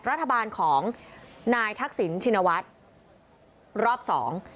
รัฐบาลของนายทักษิณชินวัฒน์รอบสอง